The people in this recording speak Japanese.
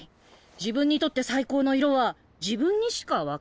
自分にとって最高の色は自分にしか分からないでしょ。